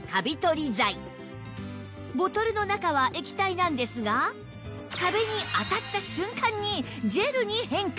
ボトルの中は液体なんですが壁に当たった瞬間にジェルに変化